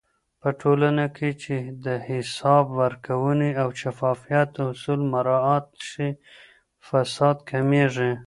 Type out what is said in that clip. په ټولنه کې چې د حساب ورکونې او شفافيت اصول مراعات شي، فساد کمېږي.